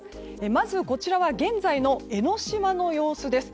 まず、こちらは現在の江の島の様子です。